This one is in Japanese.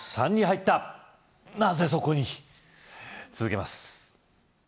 なぜそこに続けます